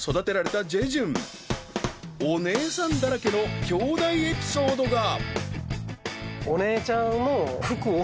［お姉さんだらけのきょうだいエピソードが］